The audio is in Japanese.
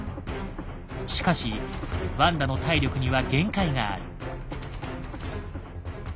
しかしワンダの体力には限界がある。